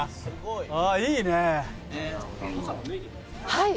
はい。